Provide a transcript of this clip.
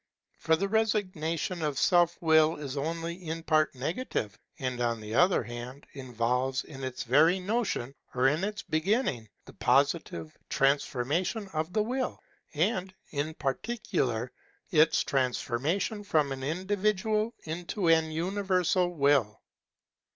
For the resignation of self will is only in part negative, and on the other hand involves in its very notion, or in its beginning, the positive transformation of the will, and, in particular, its transformation from an individual into an universal will.